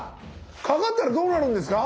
かかったらどうなるんですか？